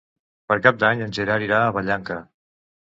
Per Cap d'Any en Gerard irà a Vallanca.